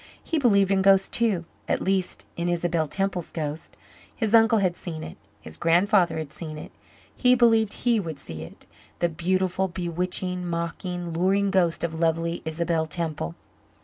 He believed in ghosts too, at least in Isabel Temple's ghost. His uncle had seen it; his grandfather had seen it; he believed he would see it the beautiful, bewitching, mocking, luring ghost of lovely Isabel Temple.